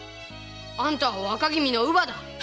あんたは若君の乳母だ。